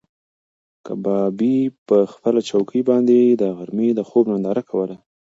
کبابي په خپله چوکۍ باندې د غرمې د خوب ننداره کوله.